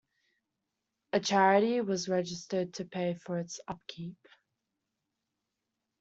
A charity was registered to pay for its upkeep.